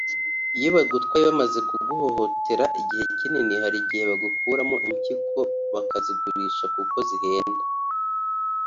[…] iyo bagutwaye bamaze kuguhohotera igihe kinini hari igihe bagukuramo impyiko bakazigurisha kuko zihenda